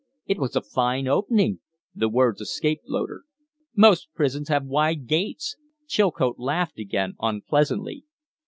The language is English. "It was a fine opening!" The words escaped Loder. "Most prisons have wide gates!" Chilcote laughed again unpleasantly.